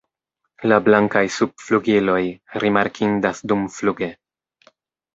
La blankaj subflugiloj rimarkindas dumfluge.